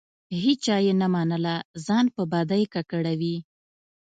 هیچا یې نه منله؛ ځان په بدۍ ککړوي.